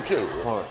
はい。